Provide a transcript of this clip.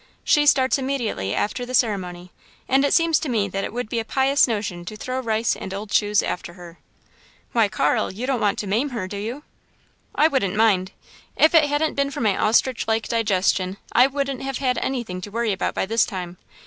She starts immediately after the ceremony and it seems to me that it would be a pious notion to throw rice and old shoes after her." "Why, Carl! You don't want to maim her, do you?" "I wouldn't mind. If it hadn't been for my ostrich like digestion, I wouldn't have had anything to worry about by this time.